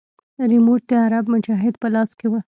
ريموټ د عرب مجاهد په لاس کښې و.